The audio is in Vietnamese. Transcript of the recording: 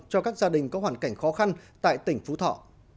cho các gia đình có hoàn cảnh khó khăn tại tỉnh phú thọ